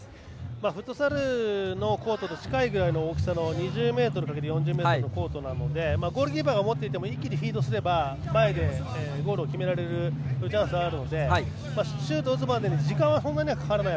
フットサルコートに近いぐらいの２０ｍかける４０ｍのコートなのでゴールキーパーが持っていても一気にフィードすれば前でゴールを決められるチャンスはあるのでシュートを打つまでに時間はそんなにかからない。